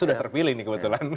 sudah terpilih nih kebetulan